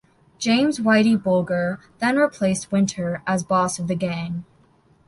James "Whitey" Bulger then replaced Winter as boss of the gang.